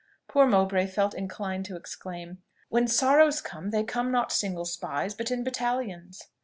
Poor Mowbray felt inclined to exclaim, "When sorrows come, they come not single spies, But in battalions."